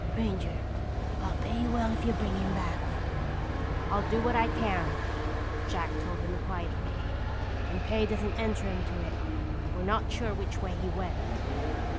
Ranger, I'll pay you well if you bring him back." "I'll do what I can," Jack told him quietly, "and pay doesn't enter into it. We're not sure which way he went."